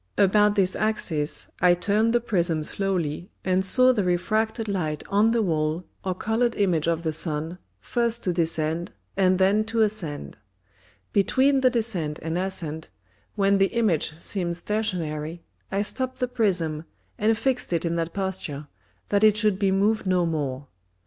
About this Axis I turned the Prism slowly, and saw the refracted Light on the Wall, or coloured Image of the Sun, first to descend, and then to ascend. Between the Descent and Ascent, when the Image seemed Stationary, I stopp'd the Prism, and fix'd it in that Posture, that it should be moved no more.